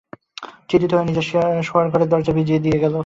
চিন্তিত হয়ে নিজের শোয়ার ঘরের দরজা ভেজিয়ে দিয়ে আবার বেরিয়ে আসেন।